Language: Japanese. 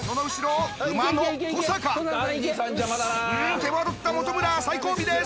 手間取った本村は最後尾です。